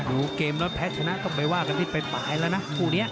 โหเกมส์รอดแพทย์นะต้องไปว่ากันได้ไปปลายแล้วนะคู่นี้